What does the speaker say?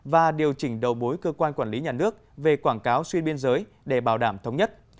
và điều chỉnh đầu bối cơ quan quản lý nhà nước về quảng cáo xuyên biên giới để bảo đảm thống nhất